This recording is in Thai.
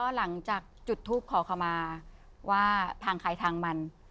หลังจากจุดทูปขอขมาว่าทางใครทางมัน